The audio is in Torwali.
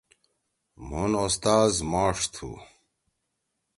مُھن اوستاز ماݜ تُھو۔